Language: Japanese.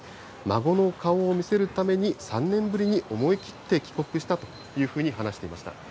孫の顔を見せるために３年ぶりに思い切って帰国したというふうに話していました。